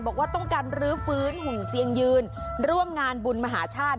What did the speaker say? บอกว่าต้องการรื้อฟื้นหุ่นเซียงยืนร่วมงานบุญมหาชาติ